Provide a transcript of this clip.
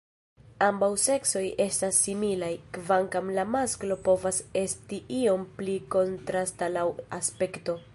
Ambaŭ seksoj estas similaj, kvankam la masklo povas esti iom pli kontrasta laŭ aspekto.